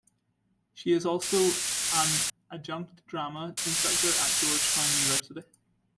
She is also an adjunct drama instructor at Georgetown University.